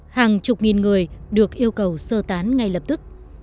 hàng chục nghìn người được yêu cầu sơ tán ngay lập tức